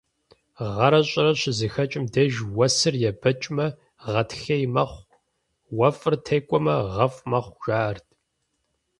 Гъэрэ щӀырэ щызэхэкӀым деж уэсыр ебэкӀмэ гъатхей мэхъу, уэфӀыр текӀуэмэ гъэфӀ мэхъу, жаӀэрт.